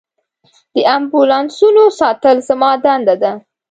د امبولانسونو ساتل زما دنده ده.